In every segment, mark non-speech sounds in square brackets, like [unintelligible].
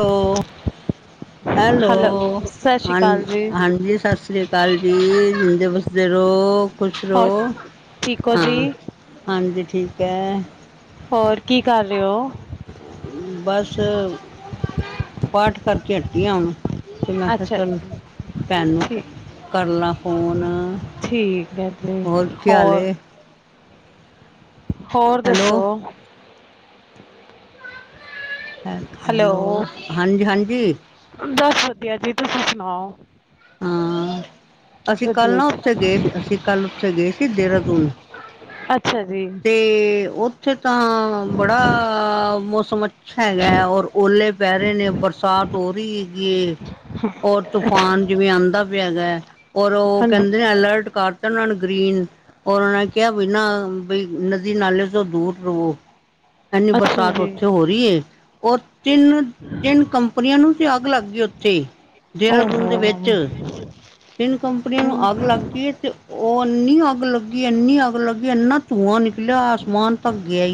Hello, hello. ਸਤਿ ਸ਼੍ਰੀ ਹਾਂ ਅਕਾਲ ਜੀ। ਹਾਂਜੀ, ਸਸ੍ਰੀ ਕਾਲ ਜੀ, ਜਿੰਦੇ ਵਸਦੇ ਰਉ, ਖੁਸ਼ ਹੋਰ ਰਉ ਠੀਕ ਓ ਜੀ? ਹਾਂਜੀ, ਠੀਕ ਐ। ਹੋਰ, ਕੀ ਕਰ ਰਏ ਓ? ਬਸ ਪਾਠ ਕਰਕੇ ਹਟੀ ਆਂ ਹੁਨ। ਤੇ ਮੈਂ ਕੇਆ ਅੱਛਾ ਚਲ ਭੈਨ ਨੂੰ ਠੀਕ ਕਰ ਲਾਂ ਫੋਨ। ਠੀਕ ਐ ਜੀ, ਹੋਰ ਕੀ ਹਾਲ ਹੋਰ? ਏ ਹੋਰ ਹੈਲੋ ਦੱਸੋ। ਹੈ ਹੈਲੋ ਹਾਂਜੀ ਹਾਂਜੀ। ਬਸ ਵਧੀਆ ਜੀ ਤੁਸੀਂ ਸੁਣਾਓ। ਹਾਂ ਅਸੀਂ ਕੱਲ ਵਧੀਆ ਨਾ ਜੀ ਉੱਥੇ ਗਏ ਸੀ ਅਸੀਂ ਕੱਲ ਉੱਥੇ ਗਏ ਸੀ ਦੇਹਰਾਦੂਨ। ਅੱਛਾ ਜੀ। ਅਤੇ ਉੱਥੇ ਤਾਂ ਬੜਾ ਮੌਸਮ ਅ ਅੱਛਾ ਹੈਗਾ ਔਰ ਓਲੇ ਪੈ ਰਹੇ ਨੇ ਬਰਸਾਤ ਹੋ ਰਹੀ ਹੈਗੀ ਏ। ਹੂ ਓਰ ਤੂਫਾਨ ਜਿਵੇਂ ਆਉਂਦਾ ਪਿਆ ਹੈਗਾ ਔਰ ਉਹ ਹਾਂਜੀ ਕਹਿੰਦੇ ਅਲਰਟ ਕਰ। ਉਹਨਾਂ ਨੂੰ ਗ੍ਰੀਨ ਔਰ ਉਹਨਾਂ ਨੇ ਕਿਹਾ ਵੀ ਨਾ ਬਈ ਨਦੀ ਨਾਲੇ ਤੋਂ ਦੂਰ ਰਵੋ ਇਨੀ ਅੱਛਾ ਬਰਸਾਤ ਜੀ ਉੱਥੇ ਹੋ ਰਹੀ ਏ ਔਰ ਤਿੰਨ ਤਿੰਨ ਕੰਪਨੀਆਂ ਨੂੰ ਤੇ ਅੱਗ ਲੱਗ ਗਈ ਉੱਥੇ। ਦੇਹਰਾਦੂਨ ਦੇ ਵਿੱਚ ਓਹੋ ਤਿੰਨ ਕੰਪਨੀਆਂ ਨੂੰ ਅੱਗ ਲੱਗ ਗਈ ਏ ਤੇ ਉਹ ਇੰਨੀ ਅੱਗ ਲੱਗੀ ਇੰਨੀ ਅੱਗ ਲੱਗੀ ਇੰਨਾ ਧੂੰਆਂ ਨਿਕਲਿਆ ਆਸਮਾਨ ਤਕ ਗਿਆ।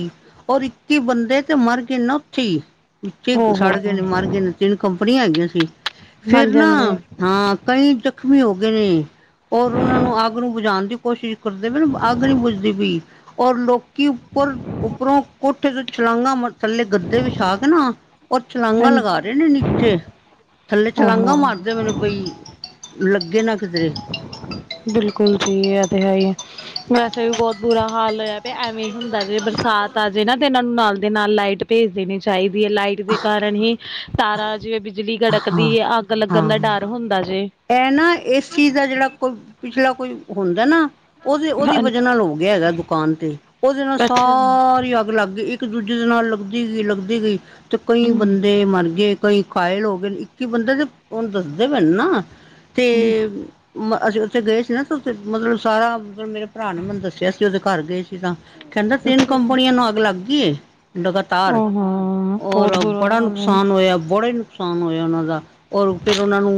ਔਰ ਇੱਕੀ ਬੰਦੇ ਤੇ ਮਰ ਗਏ ਨਾ ਉੱਥੇ ਹੀ ਵਿੱਚੇ ਓਹੋ ਸੜ ਗਏ ਨੇ ਮਰ ਗਏ ਨੇ। ਤਿੰਨ ਕੰਪਨੀਆਂ ਹੈਗੀਆਂ ਸੀ ਫੇਰ ਹਾਂਜੀ ਨਾ ਹਾਂਜੀ ਹਾਂ ਕਈ ਜਖਮੀ ਹੋ ਗਏ ਨੇ ਔਰ ਉਹਨਾਂ ਨੂੰ ਅੱਗ ਨੂੰ ਬੁਜਾਉਣ ਦੀ। ਕੋਸ਼ਿਸ਼ ਕਰਦੇ ਪਏ ਨੇ ਅੱਗ ਨੀ ਬੁਝਦੀ ਪਈ ਔਰ ਲੋਕ ਕਿ ਉੱਪਰ ਉੱਪਰੋਂ ਕੋਠੇ ਤੋਂ ਛਲਾਂਘਾ ਥੱਲੇ ਗੱਦੇ ਵਿਛਾ ਕੇ ਨਾ ਉਹ ਛਲਾਂਘਾ ਹਾਂਜੀ ਲਗਾ ਰਹੇ ਨੇ ਨੀਚੇ ਥੱਲੇ ਛਲਾਂਘਾ ਓਹੋ ਮਾਰਦੇ ਪਏ ਨੇ ਬਈ। ਲੱਗੇ ਨਾ ਕਿਧਰੇ ਬਿਲਕੁਲ ਜੀ ਇਹ ਤੇ ਹੈ ਹੀ। ਵੈਸੇ ਵੀ ਬਹੁਤ ਬੁਰਾ ਹਾਲ ਹੋਇਆ ਪਿਆ ਐਵੇਂ ਹੀ ਹੁੰਦਾ ਜੇ ਬਰਸਾਤ ਆ ਜੇ ਨਾ ਤੇ ਇਹਨਾਂ ਨੂੰ ਨਾਲ ਦੇ ਨਾਲ ਲਾਈਟ ਭੇਜ ਦੇਣੀ ਚਾਹੀਦੀ ਹੈ ਲਾਈਟ ਦੇ ਕਾਰਨ ਹੀ ਸਾਰਾ ਜਿਵੇਂ ਬਿਜਲੀ ਗੜਕਦੀ ਹਾਂ ਹੈ ਅੱਗ ਲੱਗਣ ਹਾਂ ਦਾ ਡਰ ਹੁੰਦਾ ਜੇ ਇਹ ਨਾ ਏਸੀ ਦਾ ਜਿਹੜਾ ਕੋ ਪਿਛਲਾ ਕੋਈ ਹੁੰਦਾ ਨਾ। ਉਹਦੇ ਉਹਦੀ ਹਾਂ, ਵਜਾ ਨਾਲ ਹੋ ਗਿਆ ਹੈਗਾ ਦੁਕਾਨ ਤੇ ਉਹਦੇ ਨਾਲ ਅੱਛਾ ਸਾਰੀ ਅੱਗ ਲੱਗ ਗੀ ਇੱਕ ਦੂਜੇ ਦੇ ਨਾਲ ਲੱਗਦੀ ਗਈ ਲੱਗਦੀ ਗਈ ਤੇ ਕਈ ਹਮ ਬੰਦੇ ਮਰ ਗਏ। ਕਈ ਕਾਇਲ ਹੋ ਗਏ ਇੱਕ ਹੀ ਬੰਦੇ ਦੇ ਹੁਣ ਦੱਸਦੇ ਪਏ ਨਾ ਤੇ ਅਸੀਂ ਉੱਥੇ ਗਏ ਸੀ ਨਾ ਉੱਥੇ ਮਤਲਬ ਸਾਰਾ ਮਤਲਬ ਮੇਰੇ ਭਰਾ ਨੇ ਮੈਨੂੰ ਦੱਸਿਆ ਸੀ ਉਹਦੇ ਘਰ ਗਏ ਜਿੱਦਾਂ ਕਹਿੰਦਾ ਸੀ ਤਿੰਨ ਅੱਛਾ ਜੀ। ਕੰਪਨੀਆਂ ਨੂੰ ਅੱਗ ਲੱਗ ਗਈ। ਓ ਲਗਾਤਾਰ ਹਾਂ ਔਰ ਬਹੁਤ ਬੁਰਾ ਬੜਾ ਹਾਲ ਹੈ ਨੁਕਸਾਨ ਹੋਇਆ ਬੜਾ ਨੁਕਸਾਨ ਹੋਇਆ ਉਹਨਾਂ ਦਾ ਔਰ ਫਿਰ ਉਹਨਾਂ ਨੂੰ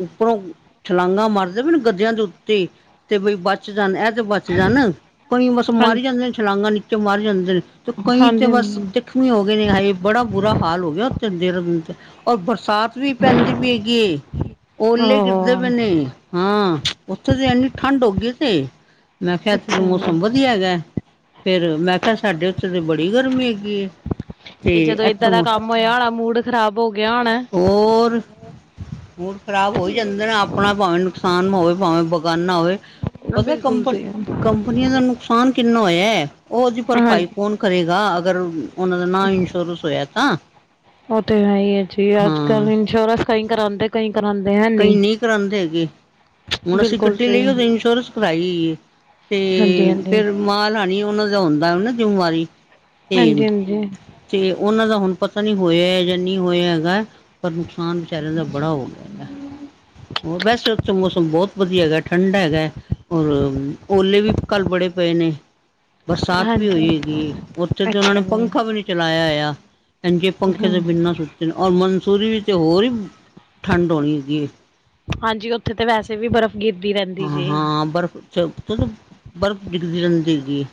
ਉੱਪਰੋਂ ਛਲਾਂਗਾਂ ਮਰਦੇ ਨੇ ਗੱਦਿਆਂ ਦੇ ਉੱਤੇ। ਤੇ ਬਈ ਬਚ ਜਾਣ ਇਹ ਤੇ ਬਚ ਜਾਣ ਕਈ ਬਸ ਹਾਂਜੀ ਮਾਰੀ ਜਾਂਦੇ ਨੇ ਛਲਾਂਗਾਂ ਨੀਚੇ ਮਰ ਜਾਂਦੇ ਨੇ। ਤੇ ਕਈ ਤੇ ਹਾਂਜੀ ਬਸ ਹਾਂਜੀ ਜਖਮੀ ਹੋ ਗਏ ਨੇ ਹਾਏ ਬੜਾ ਬੁਰਾ ਹਾਲ ਹੋ ਗਿਆ ਉਥੇ ਦੇਹਰਾਦੂਨ ਤੇ। ਔਰ ਬਰਸਾਤ ਵੀ ਪੈਂਦੀ ਪਈ ਹੈਗੀ। ਓਲੇ ਕਿੱਦਾਂ ਓਹੋ ਬਣੇ ਹਾਂ ਉੱਥੇ ਤਾਂ ਇਨੀ ਠੰਡ ਹੋਗੀ ਤੇ ਮੈਂ ਕਿਹਾ ਇੱਥੇ ਤੇ ਅੱਛਾ ਮੌਸਮ ਜੀ ਵਧੀਆ ਹੈਗਾ। ਫਿਰ ਮੈਂ ਕਿਹਾ ਸਾਡੇ ਉੱਥੇ ਤੇ ਬੜੀ ਗਰਮੀ ਹੈਗੀ। ਤੇ ਜਦੋਂ ਇੱਥੇ ਇਦਾਂ ਦਾ ਮੌ ਕੰਮ ਹੋਇਆ ਹੋਣਾ ਮੂਡ ਖ਼ਰਾਬ ਹੋ ਗਿਆ ਹੋਣਾ। ਹੋਰ ਖ਼ਰਾਬ ਹੋਈ ਜਾਂਦੇ ਨੇ ਆਪਣਾ ਭਾਵੇਂ ਨੁਕਸਾਨ ਹੋਵੇ ਭਾਵੇਂ ਬਗਾਨਾ ਹੋਵੇ। ਪਤਾ ਬਿਲਕੁਲ ਕੰਪ ਜੀ ਕੰਪਨੀਆਂ ਦਾ ਨੁਕਸਾਨ ਕਿੰਨਾ ਹੋਇਆ ਉਹ ਉਹਦੀ ਹਾਂਜੀ ਭਰਪਾਈ ਫੋਨ। ਕਰੇਗਾ ਅਗਰ ਉਹਨਾਂ ਦਾ ਨਾ ਇੰਸ਼ੋਰੈਂਸ ਹੋਇਆ ਤਾਂ ਉਹ ਤੇ ਹੈ ਹੀ ਹੈ ਜੀ ਅੱਜ ਕੱਲ ਹਾਂ ਇੰਸ਼ੋਰੈਂਸ ਕਈ ਕਰਾਉਂਦੇ ਕਈ ਕਰਾਉਂਦੇ ਹੈ। ਕਈ ਨੀ ਨਹੀਂ ਕਰਾਉਂਦੇ ਹੈਗੇ। ਹੁਣ ਅਸੀਂ ਬਿਲਕੁਲ ਗੱਡੀ ਜੀ ਲਈ ਉਹਦੀ ਇੰਸ਼ੋਰੈਂਸ ਕਰਾਈਏ ਤੇ ਹਾਂਜੀ ਹਾਂਜੀ ਫਿਰ ਹਾਂਜੀ ਮਾਲ ਹਾਣੀ ਉਹਨਾ ਦਾ ਹੁੰਦਾ ਨਾ ਜਿੰਮੇਵਾਰੀ ਤੇ ਹਾਂਜੀ ਤੇ ਉਹਨਾਂ ਦਾ ਹੁਣ ਪਤਾ ਨਹੀਂ ਹੋਇਆ ਜਾਂ ਨਹੀਂ ਹੋਇਆ ਹੈਗਾ ਪਰ ਨੁਕਸਾਨ ਵਿਚਾਰਿਆਂ ਦਾ ਬੜਾ ਹੋ। ਹੋਰ ਵੈਸੇ ਉੱਥੇ ਮੌਸਮ ਬਹੁਤ ਵਧੀਆ ਹੈਗਾ ਠੰਡਾ ਹੈਗਾ ਹੈ। ਔਰ ਓਲੇ ਵੀ ਕੱਲ ਬੜੇ ਪਏ ਨੇ ਬਰਸਾਤ ਵੀ ਹੋਈ ਹਾਂਜੀ ਹੈਗੀ ਉੱਥੇ ਤੇ ਉਹਨਾਂ ਨੇ ਅੱਛਾ ਜੀ ਪੰਖਾ ਵੀ ਨਹੀਂ ਚਲਾਇਆ ਆਇਆ ਹਾਂਜੀ ਪੰਖੇ ਦੇ ਹਮ ਬਿਨਾਂ ਸੁੱਤੇ ਨੇ ਔਰ ਮਨਸੂਰੀ ਤੇ ਹੋਰ ਠੰਡ ਹੋਣੀ ਜੀ ਏ ਹਾਂਜੀ ਉੱਥੇ ਤੇ ਵੈਸੇ ਵੀ ਬਰਫ਼ ਗਿਰਦੀ ਰਿੰਦ ਹਾਂ ਹਾਂ ਬਰਫ਼ ਕੁਛ ਬਰਫ਼ ਡਿੱਗਦੀ ਰਹਿੰਦੀ ਹੈਗੀ ਏ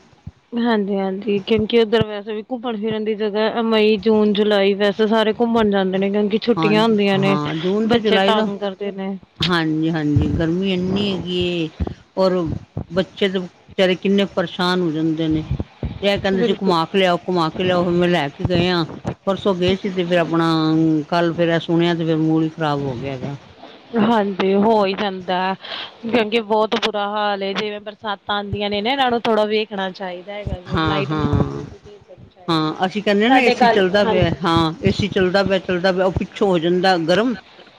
ਹਾਂਜੀ ਹਾਂਜੀ ਕਿਉਂਕਿ ਉੱਧਰ ਵੈਸੇ ਵੀ ਘੁੰਮਣ ਫਿਰਨ ਦੀ ਜਗ੍ਹਾ ਮਈ ਜੂਨ ਜੁਲਾਈ ਵੈਸ ਸਾਰੇ ਘੁੰਮਣ ਜਾਂਦੇ ਨੇ ਕਿਉਂਕਿ ਹਾਂ ਛੁੱਟੀਆਂ ਹੁੰਦੀਆਂ ਨੇ ਹਾਂ ਬੱਚੇ ਤੰਗ ਕਰਦੇ ਨੇ ਹਾਂਜੀ ਹਾਂਜੀ ਗਰਮੀ ਇੰਨੀ ਹੈਗੀ ਔਰ ਬੱਚੇ ਦੇ ਬਚਾਰੇ ਕਿੰਨੇ ਪਰੇਸ਼ਾਨ ਹੋ ਜਾਂਦੇ ਇੰਨੇ ਤੇ ਇਹ ਕਹਿੰਦੇ ਸੀ ਬਿਲਕੁਲ ਘੁਮਾ ਕੇ ਲਿਆਓ ਘੁਮਾ ਕੇ ਲਿਆਓ ਮੈਂ ਲੈ ਕੇ ਗਏ ਹਾਂ ਪਰਸੋਂ ਗਏ ਸੀ ਤੇ ਫਿਰ ਆਪਣਾ ਕੱਲ ਫਿਰ ਸੁਣਿਆ ਤੇ ਮੂਲ ਖਰਾਬ ਹੋ ਗਿਆ ਹੈਗਾ ਹਾਂਜੀ ਹੋ ਜਾਂਦਾ ਹੈ ਕਿਉਂਕਿ ਬਹੁਤ ਬੁਰਾ ਹਾਲ ਹੈ ਜਿਵੇਂ ਸੱਤ ਆਂਦੀਆਂ ਨੇ ਇਹਨਾਂ ਥੋੜਾ ਵੇਖ ਚਾਹੀਦਾ ਹੈਗਾ ਲਾਈਟ ਨਾ ਹਾਂ-ਹਾਂ। ਹੋਵੇ ਹਾਂ ਹਾਂ ਅਸੀਂ [unintelligible] ਕਹਿੰਦੇ ਨਾ ਸਾਡੇ ਏਸੀ ਘਰ ਚੱਲਦਾ ਪਿਆ ਹਾਂਜੀ- ਹਾਂ ਏ ਸੀ ਚੱਲਦਾ ਪਿਆ ਚੱਲਦਾ ਪਿਆ ਉਹ ਪਿੱਛੋਂ ਹੋ ਜਾਂਦਾ ਗਰਮ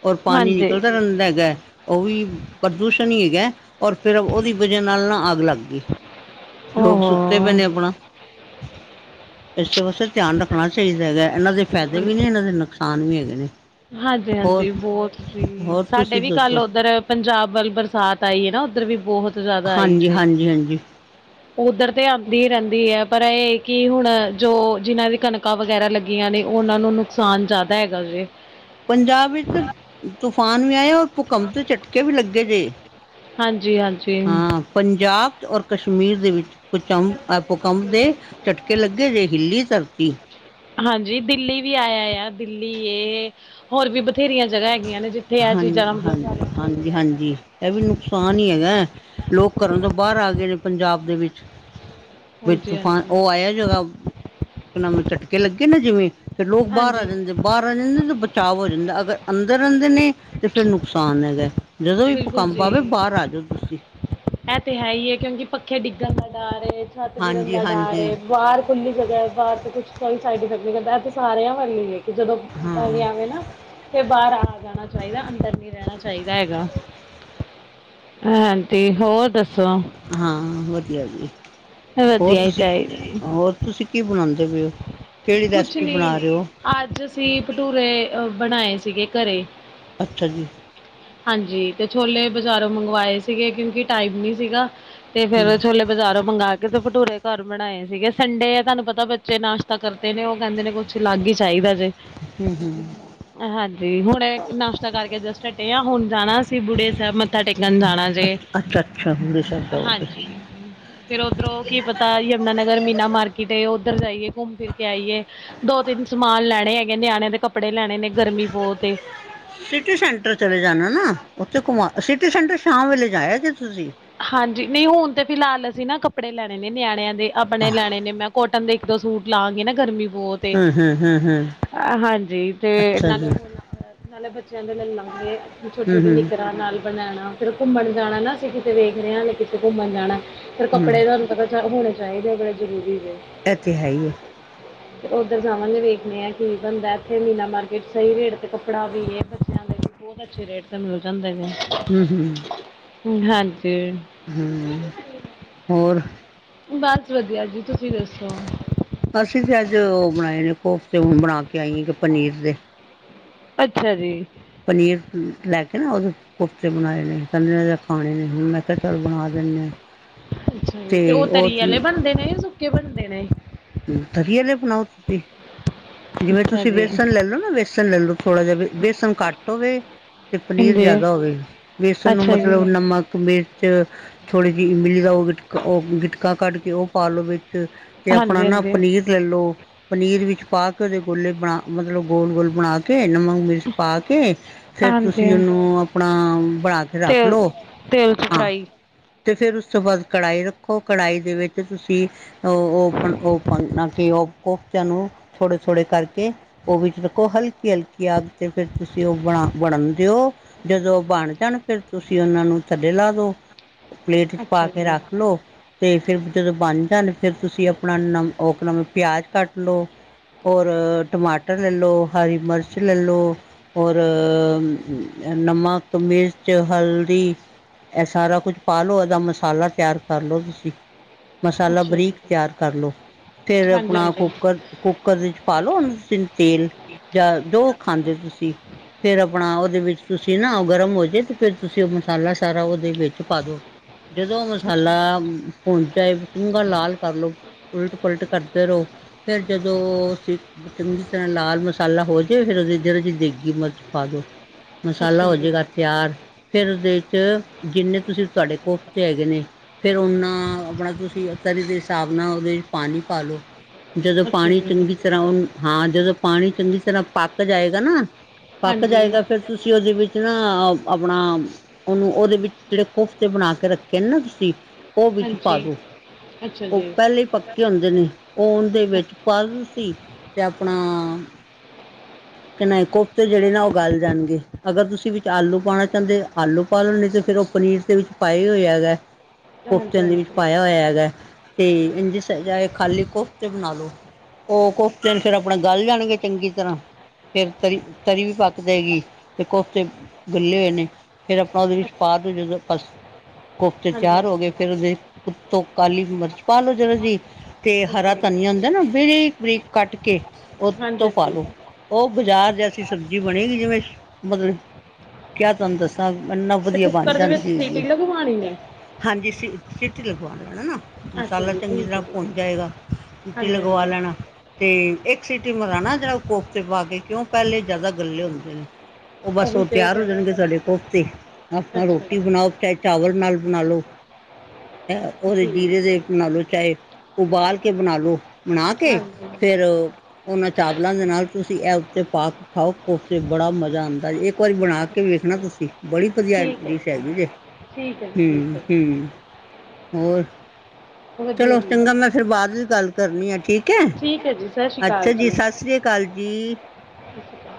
ਔਰ ਪਾਣੀ ਹਾਂਜੀ ਨਿਕਲਦਾ ਰਹਿੰਦਾ ਹੈਗਾ, ਉਹ ਵੀ ਪ੍ਰਦੂਸ਼ਣ ਹੀ ਹੈਗਾ। ਔਰ ਫਿਰ ਉਹਦੀ ਵਜ੍ਹਾ ਨਾਲ ਨਾ ਅੱਗ ਲੱਗ ਗਈ, ਲੋਕ ਓਹੋ ਸੁ ਸੁੱਤੇ ਪਏ ਨੇ ਆਪਣਾ, ਇਸੇ ਵਾਸਤੇ ਧਿਆਨ ਰੱਖਣਾ ਚਾਹੀਦਾ ਹੈਗਾ ਇਹਨਾਂ ਦੇ ਫਾਇਦੇ ਵੀ ਨੇ ਇਹਨਾਂ ਦੇ ਨੁਕਸਾਨ ਵੀ ਹੈਗੇ ਨੇ। ਹੋਰ ਹਾਂਜੀ-ਹਾਂਜੀ ਬਹੁਤ ਜੀ ਹੋਰ ਸਾਡੇ ਤੁਸੀਂ ਵੀ ਕੱਲ ਦੱਸੋ ਉੱਧਰ ਪੰਜਾਬ ਵੱਲ ਬਰਸਾਤ ਆਈ ਏ ਨਾ ਉੱਧਰ ਵੀ ਬਹੁਤ ਜ਼ਿਆਦਾ ਆਈ ਹਾਂਜੀ ਜੇ ਹਾਂਜੀ ਹਾਂਜੀ। ਉੱਧਰ ਤੇ ਆਂਦੀ ਰਹਿੰਦੀ ਏ ਪਰ ਐ ਹੈ ਕਿ ਹੁਣ ਜੋ ਜਿਹਨਾਂ ਦੀ ਕਣਕਾਂ ਵਗੈਰਾ ਲੱਗੀ ਗੀਆਂ ਨੇ ਉਹਨਾਂ ਨੂੰ ਨੁਕਸਾਨ ਜ਼ਿਆਦਾ ਹੈਗਾ ਜੇ। ਪੰਜਾਬ ਵਿੱਚ, ਤੂਫਾਨ ਵੀ ਆਏ ਔਰ ਭੁਕੰਪ ਦੇ ਝਟਕੇ ਵੀ ਲੱਗੇ ਜੇ। ਹਾਂਜੀ-ਹਾਂਜੀ ਹਾਂ ਪੰਜਾਬ ਔਰ ਕਸ਼ਮੀਰ ਦੇ ਵਿੱਚ, ਕੁਚੰ ਭੂਕੰਪ ਦੇ ਝਟਕੇ ਲੱਗੇ ਜੇ ਹਿੱਲੀ ਧਰਤੀ। ਹਾਂਜੀ ਦਿੱਲੀ ਵੀ ਆਇਆ ਆ ਦਿੱਲੀ ਇਹ ਹੋਰ ਵੀ ਬਥੇਰੀਆਂ ਜਗ੍ਹਾ ਹੈਗੀਆਂ ਨੇ ਜਿੱਥੇ ਇਹ ਹਾਂਜੀ ਚੀਜ਼ਾਂ ਦਾ ਮਤਲਬ ਜ਼ਿਆਦਾ ਹਾਂਜੀ ਹੋ ਹਾਂਜੀ ਰਿਹਾ ਹੈਗਾ ਤੇ। ਹਾਂਜੀ ਇਹ ਵੀ ਨੁਕਸਾਨ ਹੀ ਹੈਗਾ। ਲੋਕ ਘਰਾਂ ਤੋਂ ਬਾਹਰ ਆ ਗਏ ਨੇ ਪੰਜਾਬ ਦੇ ਵਿੱਚ। ਵਿੱਚ ਤੂਫਾਨ ਹਾਂਜੀ-ਹਾਂਜੀ, ਉਹ ਆਇਆ ਜਰਾ, ਨਵੇਂ ਝਟਕੇ ਲੱਗੇ ਨਾ ਜਿਵੇਂ- ਫਿਰ ਲੋਕ ਬਾਹਰ ਹਾਂਜੀ ਆ ਹਾਂਜੀ ਜਾਂਦੇ ਬਾਹਰ ਆ ਜਾਂਦੇ ਤੇ ਬਚਾਅ ਹੋ ਜਾਂਦਾ ਅਗਰ ਅੰਦਰ-ਅੰਦਰ ਨੇ ਤੇ ਫਿਰ ਨੁਕਸਾਨ ਹੈਗਾ, ਜਦੋਂ ਵੀ ਬਿਲਕੁਲ ਭੁਕੰਪ ਜੀ। ਆਵੇ ਬਾਹਰ ਆ ਜਾਓ ਤੁਸੀਂ। ਇਹ ਤੇ ਹੈ ਈ ਐ ਕਿਉਂਕਿ ਪੱਖੇ ਡਿੱਗਣ ਦਾ ਡਰ ਏ, ਛੱਤ ਗਿਰਨ ਹਾਂਜੀ ਦਾ ਡਰ ਹਾਂਜੀ ਏ ਬਾਹਰ ਖੁੱਲੀ ਜਗ੍ਹਾ ਏ ਬਾਹਰ ਤਾਂ ਕੁਛ ਸਾਈਡ ਇਫੈਕਟ ਨਹੀਂ ਕਰਦਾ ਇਹ ਤਾਂ ਸਾਰਿਆਂ ਵੱਲ ਈ ਏ ਕਿ ਜਦੋਂ ਹਾਂ ਪ ਆਵੇਂ ਨਾ ਫਿਰ ਬਾਹਰ ਆ ਜਾਣਾ ਚਾਹੀਦਾ ਅੰਦਰ ਨੀ ਰਹਿਣਾ ਚਾਹੀਦਾ ਹੈਗਾ। ਹਾਂਜੀ ਹੋਰ ਦੱਸੋ। ਹਾਂ ਵਧੀਆ ਜੀ, ਹੋਰ ਵਧੀਆ ਹੀ ਤੁਸੀਂ ਚਾਹੀਦਾ। ਹੋਰ ਤੁਸੀਂ ਕੀ ਬਣਾਉਂਦੇ ਪਏ ਓ? ਕੁਛ ਨੀ, ਅੱਜ ਅਸੀਂ ਭਟੂਰੇ ਅ ਬਣਾਏ ਸੀਗੇ ਘਰੇ। ਅੱਛਾ ਜੀ। ਹਾਂਜੀ ਤੇ ਛੋਲੇ ਬਜ਼ਾਰੋਂ ਮੰਗਵਾਏ ਸੀਗੇ ਕਿਉਂਕਿ ਟਾਈਮ ਨੀ ਸੀਗਾ, ਤੇ ਹਮ ਫੇਰ ਛੋਲੇ ਬਜ਼ਾਰੋਂ ਮੰਗ ਕੇ ਤੇ ਭਟੂਰੇ ਘਰ ਬਣਾਏ ਸੀਗੇ ਸੰਡੇ ਆ ਤੁਹਾਨੂੰ ਪਤਾ ਬੱਚੇ ਨਾਸ਼ਤਾ ਕਰ- ਨੇ ਉਹ ਕਹਿੰਦੇ ਨੇ ਕੁੱਛ ਅਲੱਗ ਹੀ ਚਾਹੀਦਾ ਜੇ। ਹਮ ਹਮ ਹਾਂਜੀ ਹੁਣੇ ਨਾਸ਼ਤਾ ਕਰਕੇ ਜਸਟ ਹੁਣ ਜਾਣਾ ਸੀ ਬੁੜੇ ਸਾਹਿਬ ਮੱਥਾ ਟੇਕਣ ਜਾਣਾ ਜੇ। ਅੱਛਾ ਅੱਛਾ ਹੁੰਦੇ ਸਾਹਿਬ ਜਾਓਗੇ ਹਾਂਜੀ। ਫੇਰ ਉੱਧਰੋਂ ਕੀ ਪਤਾ ਯਮੁਨਾ ਨਗਰ ਮੀਨਾ ਮਾਰਕੀਟ ਉੱਧਰ ਜਾਈਏ। ਘੁੰਮ ਫਿਰ ਕੇ ਆਈਏ ਦੋ ਤਿੰਨ ਸਮਾਨ ਲੈਣੇ ਹੈਗੇ ਨਿਆਣੇ ਦੇ ਕੱਪੜੇ ਲੈਣੇ ਨੇ ਗਰਮੀ ਬਹੁਤ ਏ। ਸਿਟੀ ਸੈਂਟਰ ਚਲੇ ਜਾਣਾ ਨਾ ਉੱਥੇ ਘੁਮਾ ਸਿਟੀ ਸੈਂਟਰ ਸ਼ਾਮ ਵੇਲੇ ਜਾਇਆ ਜੇ ਤੁਸੀਂ। ਹਾਂਜੀ ਨਹੀਂ ਹੁਣ ਤੇ ਫਿਲਹਾਲ ਅਸੀਂ ਨਾ ਕੱਪੜੇ ਲੈਣੇ ਨੇ ਨਿਆਣਿਆਂ ਦੇ ਆਪਣੇ ਲੈਣੇ ਨੇ ਮੈਂ ਕੋਟਨ ਦੇ- ਦੋ ਸੂਟ ਲਾਗੇ ਨਾ ਗਰਮੀ ਬਹੁਤ- ਏ ਹੂੰ ਹੂੰ ਹੂੰ ਹੂੰ। ਹਾਂਜੀ ਤੇ ਨਾਲੇ ਉਹ [inaudible] ਨਾਲੇ ਬੱਚਿਆਂ ਦੇ ਲੈ ਲਾਂਗੇ ਹੂੰ ਛੋਟੀ-ਛੋਟੀ ਹੂੰ ਨਿਕਰਾਂ ਨਾਲ- ਬਨੇਨਾ ਫਿਰ ਘੁੰਮਣ ਜਾਣਾ ਨਾ ਅਸੀਂ ਕਿਤੇ ਵੇਖ ਰਹੇ ਹਾਂ ਕਿਤੇ ਘੁੰਮਣ ਜਾਣਾ ਫਿਰ ਹੂੰ ਕੱਪੜੇ ਤੁਹਾਨੂੰ ਪਤਾ- ਹੋਣੇ ਚਾਹੀਦੇ ਉਹ ਬੜੇ ਜ਼ਰੂਰੀ ਨੇ। ਇਹ ਤੇ ਹੈ ਈ ਐ। [inaudible] ਤੇ ਓਧਰ ਜਾਵਾਂਗੇ ਵੇਖਦੇ ਆ ਕੀ ਬਨਦਾ ਇੱਥੇ ਮੀਨਾ ਮਾਰਕੀਟ ਸਈ ਰੇਟ ਤੇ ਕੱਪੜਾ ਵੀ ਏ ਬੱਚੇਆਂ ਦੇ ਬੋਤ ਅੱਛੇ ਰੇਟ ਤੇ ਮਿਲ ਜਾਂਦੇ ਨੇ। ਹੂੰ, ਹੂੰ। ਹਾਂਜੀ। ਹੂੰ, ਹੋਰ ਬਸ ਵਧੀਆ ਜੀ ਤੁਸੀਂ ਦੱਸੋ। ਅਸੀਂ ਵੀ ਅੱਜ ਓ ਬਣਾਏ ਨੇ ਕੋਫਤੇ ਹੁਣ ਬਣਾ ਕੇ ਆਈ ਆਂ ਪਨੀਰ ਦੇ। ਅੱਛਾ ਜੀ। ਪਨੀਰ ਲੈ ਕੇ ਨਾ ਓਦੇ ਕੋਫਤੇ ਬਣਾਏ ਨੇ ਕੈਂਦੇ ਅੱਜ ਐ ਖਾਣੇ ਨੇ। ਮੈਂ ਕੇਆ ਚੱਲ ਬਣਾ ਦੇਨੇ ਆ ਤੇ ਓ ਦੇ ਨੇ ਸੁੱਕੇ ਬਣਦੇ ਨੇ? ਹੂੰ, ਤਰੀ ਆਲੇ ਬਨਾਓ ਤੁਸੀਂ। ਜਿਵੇਂ ਅੱਛਾ ਤੁਸੀਂ ਜੀ ਬੇਸਣ ਲੈ ਲੋ ਨਾ, ਵੇਸਣ ਲੈ ਲੋ ਥੋੜ੍ਹਾ ਜਾ ਬੇਸਣ ਘੱਟ ਹੋਵੇ। ਤੇ ਪਨੀਰ ਹਾਂਜੀ ਜਾਦਾ ਹੋਵੇ ਬੇਸਣ ਨੂੰ ਅੱਛਾ ਮਤਲਬ ਜੀ ਨਮਕ, ਮਿਰਚ ਥੋੜ੍ਹੀ ਜੀ ਇਮਲੀ ਦਾ ਓ ਗਿਟਕਾ ਓ ਗਿਟਕਾ ਕੱਢ ਕੇ ਓ ਪਾ ਲੋੋ ਵਿੱਚ ਤੇ ਆਪਣਾ ਹਾਂਜੀ ਨਾ ਹਾਂਜੀ ਪਨੀਰ ਲੈ ਲੋ ਪਨੀਰ ਵਿੱਚ ਪਾ ਕੇ ਓਦੇ ਗੋਲੇ ਬਣਾ ਮਤਲਬ ਗੋਲ-ਗੋਲ ਬਣਾ ਕੇ ਨਮਕ ਮਿਰਚ ਪਾ ਕੇ ਫੇਰ ਹਾਂਜੀ ਤੁਸੀਂ ਓਨੂੰ ਆਪਣਾ ਬਣਾ ਕੇ ਰੱਖ ਤੇਲ ਲੋ। ਤੇਲ 'ਚ ਫਰਾਈ ਤੇ ਫੇਰ ਉਸ ਤੋਂ ਬਾਦ ਕੜਾਈ ਰੱਖੋ ਕੜਾਈ ਦੇ ਵਿੱਚ ਤੁਸੀਂ ਓ, ਓ ਆਪ ਓ ਕਿ ਓ ਕੋਫਤੇਆਂ ਨੂੰ ਥੋੜੇ ਥੋੜੇ ਕਰਕੇ ਓ ਵਿੱਚ ਰੱਖੋ, ਹਲਕੀ-ਹਲਕੀ ਅੱਗ ਤੇ ਫਿਰ ਤੁਸੀਂ ਓ ਬਣਾ ਬਣਨ ਦਿਓ। ਜਦੋਂ ਬਣ ਜਾਣ ਫਿਰ ਤੁਸੀਂ ਓਨਾਂ ਨੂੰ ਥੱਲੇ ਲਾ ਦੋ। ਪਲੇਟ 'ਚ ਪਾ ਅੱਛਾ ਕੇ ਜੀ ਰੱਖ ਲੋ। ਤੇ ਫਿਰ ਜਦੋਂ ਬਣ ਜਾਣ ਫਿਰ ਤੁਸੀਂ ਆਪਣਾ ਨਮ ਓ ਅਪਣਾ ਪਿਆਜ਼ ਕੱਟ ਲੋ। ਹੋਰ ਟਮਾਟਰ ਲੈ ਲੋ, ਹਰੀ ਮਰਚ ਲੈ ਲੋ। ਹੋਰ ਨਮਕ, ਮਿਰਚ, ਹਲਦੀ ਐ ਸਾਰਾ ਕੁੱਛ ਪਾ ਲੋ ਐਦਾ ਮਸਾਲਾ ਤਿਆਰ ਕਰ ਲੋ ਤੁਸੀਂ। ਮਸਾਲਾ ਅੱਛਾ ਬਰੀਕ ਜੀ ਤਿਆਰ ਕਰ ਲੋ, ਫਿਰ ਹਾਂਜੀ ਆਪਣਾ ਹਾਂਜੀ ਅੱਛਾ ਕੁੱਕਰ ਕੁ ਕੁੱਕਰ ਦੇ 'ਚ ਪਾ ਲੋ ਤੁਸੀਂ ਤੇਲ ਜਾਂ ਜੋ ਖਾਂਦੇ ਤੁਸੀਂ। ਫੇਰ ਆਪਣਾ ਓਦੇ ਵਿੱਚ ਤੁਸੀਂ ਨਾ ਓ ਗਰਮ ਹੋ ਜੇ ਤੇ ਫਿਰ ਤੁਸੀਂ ਓ ਮਸਾਲਾ ਸਾਰਾ ਓਦੇ ਵਿੱਚ ਪਾ ਦੋ। ਜਦੋਂ ਮਸਾਲਾ ਅੱਛਾ ਭੁਨ ਜਾਏ, ਚੰਗਾ ਲਾਲ ਕਰ ਲੋ ਉਲਟ ਪੁਲਟ ਕਰਦੇ ਰੋ ਫਿਰ ਜਦ ਦੋ ਸੀ ਚੰਗੀ ਤਰ੍ਹਾਂ ਲਾਲ ਮਸਾਲਾ ਹੋ ਜੇ ਫੇਰ ਓਦੇ 'ਚ ਜਰਾ ਜੀ ਦੇਗੀ ਮਰਚ ਪਾ ਦੋ ਮਸਾਲਾ ਹੋ ਜੀ ਜੇਗਾ ਤਿਆਰ ਫਿਰ ਓਦੇ ਚ ਜਿੰਨੇ ਤੁਸੀਂ ਤੁਆਡੇ ਕੋਫਤੇ ਹੈਗੇ ਨੇ ਫਿਰ ਓਨਾ ਆਪਣਾ ਤੁਸੀਂ ਤਰੀ ਦੇ ਹਿਸਾਬ ਨਾਲ ਓਦੇ 'ਚ ਪਾਨੀ ਪਾ ਲੋ ਜਦ ਅੱਛਾ ਪਾਣੀ ਜੀ ਚੰਗੀ ਤਰ੍ਹਾਂ ਓ ਹਾਂ ਜਦੋਂ ਪਾਣੀ ਚੰਗੀ ਤਰ੍ਹਾਂ ਪੱਕ ਜਾਏਗਾ ਨਾ ਪੱਕ ਹਾਂਜੀ ਜਾਏਗਾ ਫੇਰ ਤੁਸੀਂ ਓਦੇ ਵਿੱਚ ਨਾ ਆਪਣਾ ਓਨੂੰ ਓਦੇ ਵਿੱਚ ਜੇੜੇ ਕੋਫਤੇ ਬਣਾ ਕੇ ਰੱਖੇ ਨਾ ਤੁਸੀਂ, ਓ ਵਿੱਚ ਪਾ ਹਾਂਜੀ ਦੋ, ਅੱਛਾ ਓ ਜੀ ਪੈਲੇ ਪ ਕੇ ਹੁੰਦੇ ਨੇਂ, ਓ ਓਂਦੇ ਹਾਂ- ਵਿੱਚ ਪਾ ਦੋ ਤੂੰਸੀ ਤੇ ਆਪਣਾ ਕਨਾਏ ਕੋਫਤੇ ਜੇੜੇ ਨਾ ਓ ਗਾਲ ਜਾਨਗੇ। ਅਗਰ ਤੁਸੀਂ ਵਿੱਚ ਆਲੂ ਪਾਣਾ ਚਾਂਦੇ ਆਲੂ ਪਾ ਲੋ ਨਈ ਤੇ ਫਿਰ ਓ ਪਨੀਰ ਦੇ ਵਿੱਚ ਪਾਏ ਹੀ ਹੋਏ ਹੈਗਾ। ਹਾਂਜੀ ਕੋਫਤੇਆਂ ਦੇ ਵਿੱਚ ਹਾਂਜੀ ਪਾਇਆ ਹੋਇਆ ਹੈਗਾ ਤੇ ਇੰਜ ਚਾਏ ਖਾਲੀ ਕੋਫਤੇ ਬਨਾ ਲੋ। ਓ ਕੋਫ਼ਤੇ ਨ ਫਿਰ ਆਪਣਾ ਗੱਲ ਜਾਣਗੇ ਚੰਗੀ ਤਰ੍ਹਾਂ ਫੇਰ ਤਰੀ-ਤਰੀ ਵੀ, ਪੱਕ ਜਾਵੇਗੀ ਤੇ ਕੋਫ਼ਤੇ ਹਿੱਲੇ ਹੋਏ ਨੇ ਫੇਰ, ਆਪਣਾ ਉਹਦੇ ਵਿੱਚ ਅੱਛਾ ਪਾ ਕੇ ਜਦੋ ਬਸ ਕੋਫ਼ਤੇ ਹਾਂਜੀ ਤਿਆਰ ਹੋ ਹਾਂਜੀ ਗਏ, ਫੇਰ ਉਹਦੇ ਉੱਤੋਂ ਕਾਲੀ ਮਿਰਚ ਪਾ ਲੋੋ ਜਰਾਜੀ, ਤੇ ਹਰਾ ਅੱਛਾ ਜੀ ਧਨੀਆ ਹੁੰਦਾ ਨਾ ਬਰੀਕ-ਬਰੀਕ ਕੱਟ ਕੇ ਹਾਂਜੀ ਉਤੋਂ ਪਾ ਹਾਂਜੀ ਲਓ ਉਹ ਬਾਜ਼ਾਰ ਜੈਸੀ, ਸਬਜ਼ੀ ਬਣੇਗੀ ਜਿਵੇਂ, ਮਤਲਬ ਕਿਆ ਤੁਹਾਨੂੰ ਦੱਸਾਂ ਇਨਾ ਅਤੇ ਵਧੀਆ ਬਣ ਕੁੱਕਰ ਦੇ ਵਿੱਚ ਜਾਂਦੀ ਹੈਗੀ ਸੀਟੀ ਏ, ਲਗਵਾਉਣੀ ਨੇ ਹਾਂਜੀ, ਸੀਟੀ ਲਗਵਾ ਲੈਣਾ ਨਾ ਅੱਛਾ ਮਸਾਲਾ ਜੀ ਚੰਗੀ ਠੀਕ ਤਰ੍ਹਾਂ ਹੈ ਠੀਕ ਭੁੰਨ ਹੈ ਜਾਏਗਾ, ਸੀਟੀ ਹਾਂਜੀ ਲਗਵਾ ਹਾਂਜੀ ਲੈਣਾ ਤੇ ਇੱਕ ਸੀਟੀ ਟੀ ਮਰਾਣਾ, ਜਿਹੜਾ ਕੋਫਤੇ ਪਾ ਕੇ, ਕਿਉਂ ਪਹਿਲੇ ਜਿਆਦਾ ਗੱਲੇ ਹੁੰਦੇ ਨੇ। ਉਹ ਬਸ ਉਹੀ ਉਹ, ਤਾਂ ਤਿਆਰ ਹੋ ਫਿਰ ਜਾਣਗੇ ਤੁਹਾਡੇ ਕੋਫਤੇ, ਆਪਣਾ ਅੱਛਾ ਰੋਟੀ ਜੀ ਬਣਾਓ ਐ ਚਾਵਲ ਨਾਲ ਬਣਾ ਲੋ, ਐ ਉਹਦੇ ਠੀਕ ਜੀਰੇ ਦੇ ਬਣਾ ਲੋ ਚਾਹੇ ਉਬਾਲ ਕੇ ਬਣਾਾ ਲੋ, ਬਣਾ ਕੇ ਹਾਂਜੀ ਫੇਰ ਉਹਨਾਂ ਚਾਵਲਾਂ ਦੇ ਨਾਲ ਤੁਸੀਂ ਇਹ ਉੱਤੇ ਪਾ ਕੇ ਖਾਓ ਕੁਫਤੇ, ਬੜਾ ਮਜ਼ਾ ਆਉਂਦਾ ਜੇ, ਇੱਕ ਵਾਰੀ ਬਣਾ ਕੇ ਕੇ ਵੇਖਣਾ ਤੁਸੀਂ, ਬੜੀ ਵਧੀਆ ਠੀਕ ਹੈ ਡਿਸ਼ ਜੀ ਹੈਗੀ ਜੇ ਠੀਕ ਹੈ ਜੀ ਠੀਕ ਹੈ ਜੀ ਹੁੰ-ਹੁੰ ਹੋਰ ਵਧੀਆ ਚਲੋ ਜੀ ਚੰਗਾ, ਮੈਂ ਫੇਰ ਬਾਅਦ ਵੀ ਗੱਲ ਕਰਨੀ ਆ, ਠੀਕ ਏ ਠੀਕ ਹੈ ਜੀ ਸਤਿ ਸ਼੍ਰੀ ਅਕਾਲ ਅੱਛਾ ਜੀ, ਸਸ੍ਰੀ ਸਤਿ ਸ੍ਰੀ ਅਕਾਲ ਜੀ। ਸਤਿ ਸ਼੍ਰੀ ਅਕਾਲ